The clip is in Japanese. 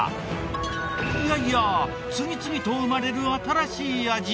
いやいや次々と生まれる新しい味。